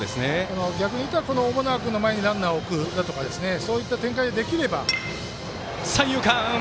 逆にいったら、小保内君の前にランナーを置くとかそういった展開でできれば。